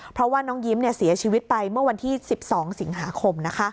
เพราะว่าน้องยิ้มเสียชีวิตไปเมื่อวันที่๑๒สิงหาคม